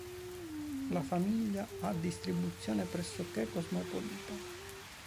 La famiglia ha distribuzione pressoché cosmopolita.